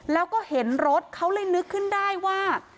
แล้วก็เห็นรถเขาเลยนึกขึ้นได้ว่า